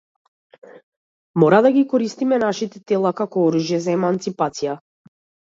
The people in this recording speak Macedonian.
Мора да ги користиме нашите тела како оружје за еманципација.